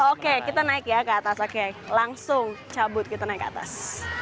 oke kita naik ya ke atas oke langsung cabut kita naik ke atas